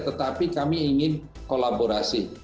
tetapi kami ingin kolaborasi